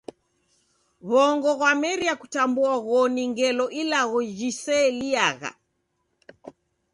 W'ongo ghwameria kutambua ghoni ngelo ilagho jiseeliagha.